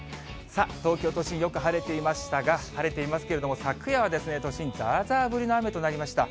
さあ、東京都心、よく晴れていましたが、晴れていますけれども、昨夜は都心、ざーざー降りの雨となりました。